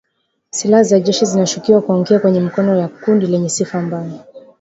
Silaha za jeshi zinashukiwa kuangukia kwenye mikono ya kundi lenye sifa mbaya